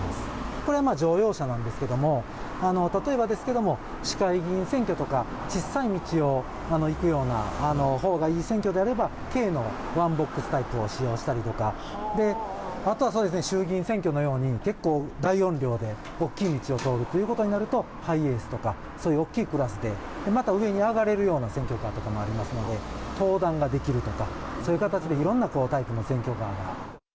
これはまあ、乗用車なんですけれども、例えばですけども、市会議員選挙とか、ちっさい道を行くようなほうがいい選挙であれば、軽のワンボックスタイプを使用したりとか、あとはそうですね、衆議院選挙のように結構、大音量で大きい道を通るということになると、ハイエースとか、そういう大きいクラスで、また上に上がれるような選挙カーとかもありますので、登壇ができるとか、そういう形で、いろんなタイプの選挙カーが。